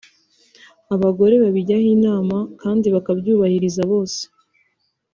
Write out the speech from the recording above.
Abagore babijyaho inama kandi bakabyubahiriza bose